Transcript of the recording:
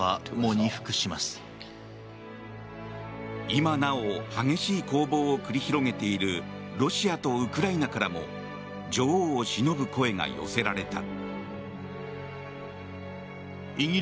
今なお激しい攻防を繰り広げているロシアとウクライナからも女王をしのぶ声が寄せられた。